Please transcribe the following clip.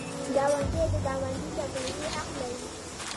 ګاونډی د ګاونډي له میوې حق لري.